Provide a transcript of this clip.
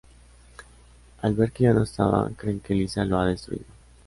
Al ver que ya no estaba, creen que Lisa lo ha destruido.